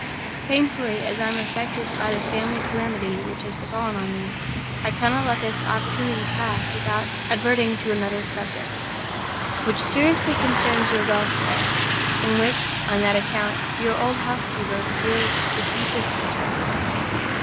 "Painfully as I am affected by the family calamity which has fallen on me, I cannot let this opportunity pass without adverting to another subject which seriously concerns your welfare, and in which (on that account) your old housekeeper feels the deepest interest.